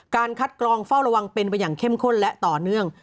การคัดกรองเฝ้าระวังเป็นไปอย่างเข้มข้นและต่อเนื่อง